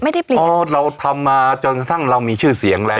ไม่ได้เปลี่ยนเลยวะโอ๊ยเราทำมาจนกระทั่งเรามีชื่อเสียงแล้ว